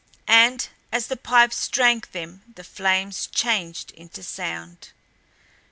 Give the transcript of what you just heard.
And as the pipes drank them the flames changed into sound!